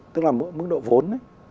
tức là mức độ vốn